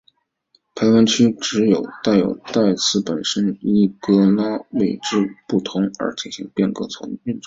排湾语只有代词本身会依格位之不同而进行变格运作。